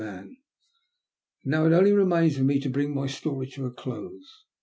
And now it only remains for me to bring my story to a close.